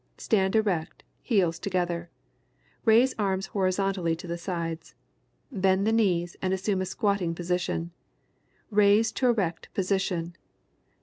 _] Stand erect, heels together. Raise arms horizontally to the sides. Bend the knees and assume a squatting position. Rise to erect position.